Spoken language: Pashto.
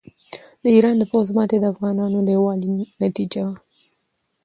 د ایران د پوځ ماته د افغانانو د یووالي نتیجه وه.